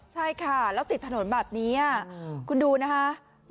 ใช่ค่ะแล้วติดถนนแบบนี้คุณดูนะคะ